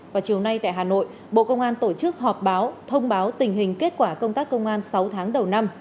vào chiều nay tại hà nội bộ công an tổ chức họp báo thông báo tình hình kết quả công tác công an sáu tháng đầu năm